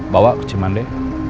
bawa ke cimande